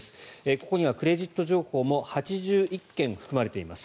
ここにはクレジットカード情報も８１件含まれています。